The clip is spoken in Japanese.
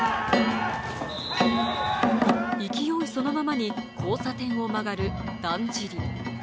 勢いそのままに交差点を曲がるだんじり。